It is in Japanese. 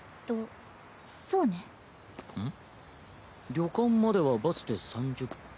旅館まではバスで３０分。